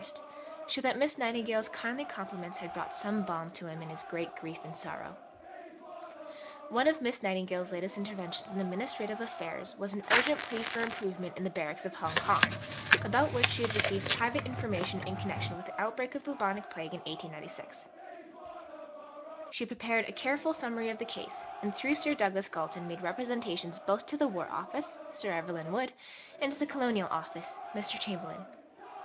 1) show that Miss Nightingale's kindly compliments had brought some balm to him in his "great grief and sorrow." Vol. I. p. 385. One of Miss Nightingale's latest interventions in administrative affairs was an urgent plea for improvement in the barracks at Hong Kong, about which she had received private information in connection with the outbreak of bubonic plague in 1896. She prepared a careful summary of the case, and through Sir Douglas Galton made representations both to the War Office (Sir Evelyn Wood) and to the Colonial Office (Mr. Chamberlain).